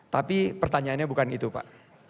tapi pertanyaannya bukan itu pak